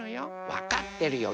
わかってるよ